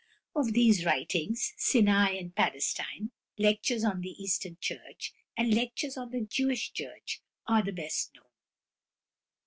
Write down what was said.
Of these writings, "Sinai and Palestine," "Lectures on the Eastern Church," and "Lectures on the Jewish Church," are the best known.